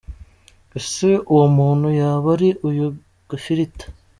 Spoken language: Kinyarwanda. Ese uwo muntu yaba ari uyu Gafirita?